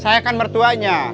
saya kan mertuanya